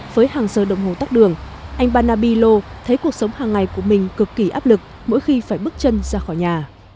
với hàng giờ đồng hồ tắt đường anh banabilo thấy cuộc sống hàng ngày của mình cực kỳ áp lực mỗi khi phải bước chân ra khỏi nhà